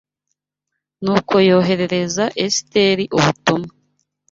Nuko yoherereza Esiteri ubutumwa